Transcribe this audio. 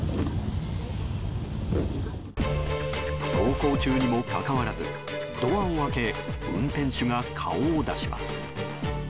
走行中にもかかわらずドアを開け運転手が顔を出します。